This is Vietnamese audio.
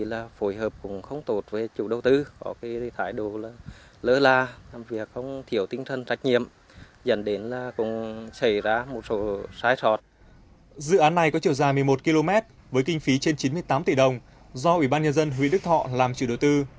dự án này có chiều dài một mươi một km với kinh phí trên chín mươi tám tỷ đồng do ủy ban nhân dân huyện đức thọ làm chủ đầu tư